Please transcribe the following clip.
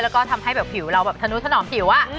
และทำให้เราธนุธนอมผิว